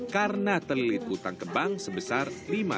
karena terlilih utang ke bank sebesar lima ratus juta rupiah